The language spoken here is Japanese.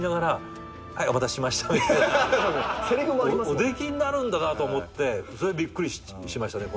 おできになるんだなと思ってそれびっくりしましたね